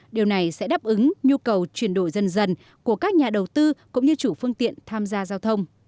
điều này sẽ đáp ứng nhu cầu chuyển đổi dần dần của các nhà đầu tư cũng như chủ phương tiện tham gia giao thông